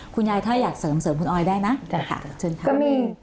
คุณยายถ้าอยากเสริมเสริมคุณออยได้นะใช่ค่ะเชิญค่ะก็มี